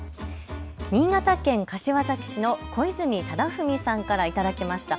新潟県柏崎市の小泉忠文さんから頂きました。